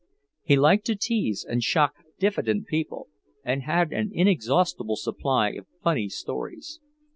He liked to tease and shock diffident people, and had an inexhaustible supply of funny stories.